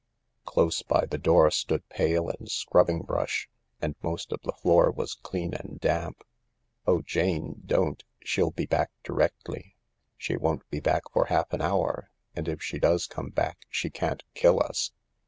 Close by the door stood pail and scrub bing brush, And most of the floor was clean and damp. " Oh, Jane— don't, she'll be back directly !"" She won't be back for half an hour. And if she does come back she can't kill us.